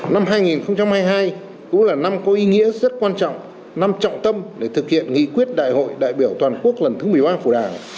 năm hai nghìn hai mươi hai cũng là năm có ý nghĩa rất quan trọng năm trọng tâm để thực hiện nghị quyết đại hội đại biểu toàn quốc lần thứ một mươi ba của đảng